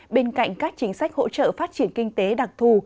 bên cạnh các chính sách hỗ trợ phát triển kinh tế đặc thù